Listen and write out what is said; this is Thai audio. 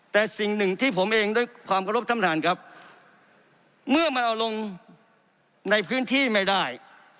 แต่สิ่งหนึ่งที่ผมเองด้วยความขอรบท่านท่านครับเมื่อมันเอาลงในพื้นที่ไม่ได้